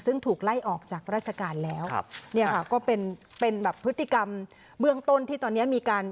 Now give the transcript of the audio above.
ซึ่งถูกไล่ออกจากราชการแล้วครับเนี่ยค่ะก็เป็นเป็นแบบพฤติกรรมเบื้องต้นที่ตอนนี้มีการ